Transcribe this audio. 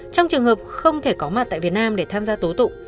trong trường hợp không thể có mặt tại việt nam để tham gia tố tụng